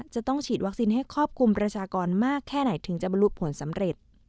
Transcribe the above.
จะต้องฉีดวัคซีนให้ครอบคลุมประชากรมากแค่ไหนถึงจะบรรลุผลสำเร็จ